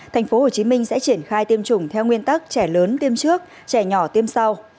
tp hcm sẽ triển khai tiêm chủng theo nguyên tắc trẻ lớn tiêm trước trẻ nhỏ tiêm sau